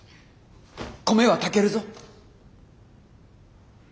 米は炊けるぞ！